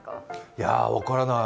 いやあ、分からない。